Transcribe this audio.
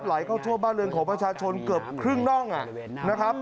ไหลเข้าทั่วบ้านเรือนของประชาชนเกือบครึ่งน่องนะครับ